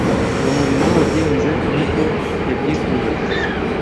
Uwo murimo wagenze nk’uko yabyifuzaga